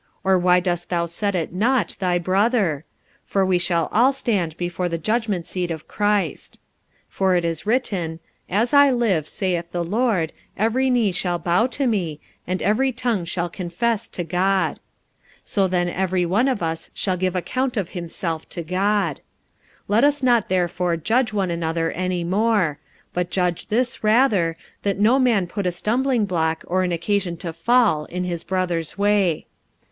or why dost thou set at nought thy brother? for we shall all stand before the judgment seat of Christ. 45:014:011 For it is written, As I live, saith the Lord, every knee shall bow to me, and every tongue shall confess to God. 45:014:012 So then every one of us shall give account of himself to God. 45:014:013 Let us not therefore judge one another any more: but judge this rather, that no man put a stumblingblock or an occasion to fall in his brother's way.